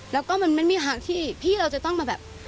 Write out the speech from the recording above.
แล้วก็มันไม่มีทางที่พี่เราจะต้องมาแบบ